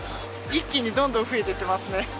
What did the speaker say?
一気にどんどん増えていってますね。